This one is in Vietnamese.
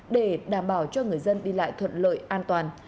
để đảm bảo cho người dân đi lại thuận lợi an toàn